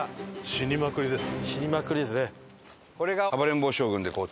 死にまくりですね。